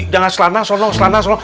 jangan selana selong selana selong